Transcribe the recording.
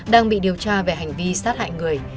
đang bị điều tra về hành vi sát hại người